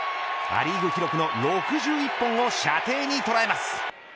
ア・リーグ記録の６１本を射程に捉えます。